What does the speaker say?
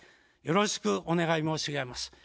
よろしくお願い申し上げます。